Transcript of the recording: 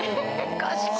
賢い。